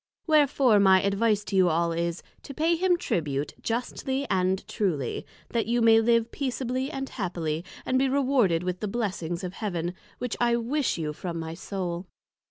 Wherefore my advice to you all is, To pay him Tribute justly and truly, that you may live Peaceably and Happily, and be rewarded with the Blessings of Heaven: which I wish you from my Soul.